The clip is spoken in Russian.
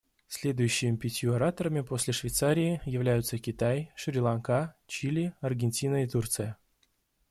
Следующими пятью ораторами после Швейцарии являются: Китай, Шри-Ланка, Чили, Аргентина и Турция.